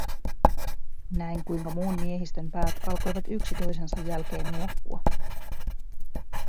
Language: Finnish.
Näin kuinka muun miehistön päät alkoivat yksi toisensa jälkeen nuokkua.